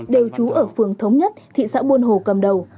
đều trú ở phường thống nhất thị xã buôn hồ cầm đầu